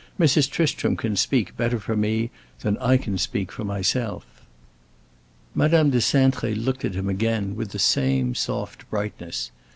"Mrs. Tristram can speak better for me than I can speak for myself." Madame de Cintré looked at him again, with the same soft brightness.